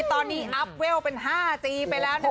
ตอนนี้เปิดธ์เวลเป็นห้าจีไปแล้วนะฮะ